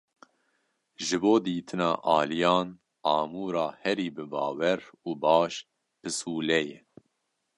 Ji bo dîtina aliyan, amûra herî bibawer û baş, pisûle ye.